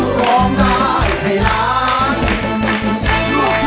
ร้องได้ให้ล้าน